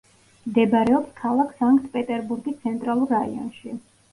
მდებარეობს ქალაქ სანქტ-პეტერბურგის ცენტრალურ რაიონში.